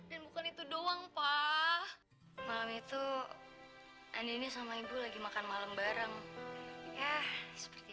dan bukan itu doang pak malam itu andini sama ibu lagi makan malam bareng ya seperti